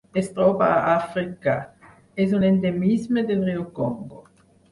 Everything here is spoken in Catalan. Es troba a Àfrica: és un endemisme del riu Congo.